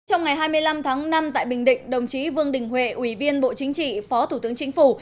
trong ngày hai mươi năm tháng năm tại bình định đồng chí vương đình huệ ủy viên bộ chính trị phó thủ tướng chính phủ